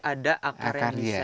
ada akar yang bisa